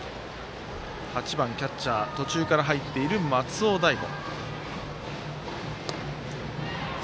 ８番キャッチャー途中から入っている松尾大悟。